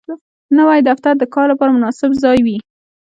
نوی دفتر د کار لپاره مناسب ځای وي